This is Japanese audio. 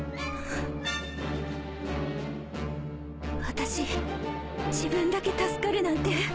私自分だけ助かるなんてできない！